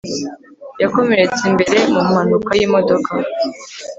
yakomeretse imbere mu mpanuka yimodoka